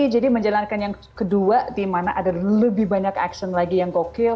jadi menjalankan yang kedua dimana ada lebih banyak action lagi yang gokil